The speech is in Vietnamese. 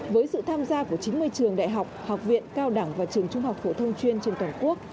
với sự tham gia của chín mươi trường đại học học viện cao đẳng và trường trung học phổ thông chuyên trên toàn quốc